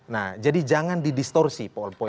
nah jadi jangan di distorsi poin poin